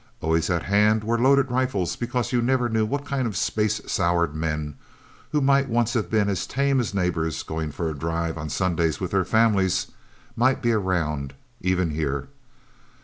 Always at hand were loaded rifles, because you never knew what kind of space soured men who might once have been as tame as neighbors going for a drive on Sundays with their families might be around, even here.